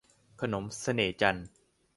ขนมเสน่ห์จันทร์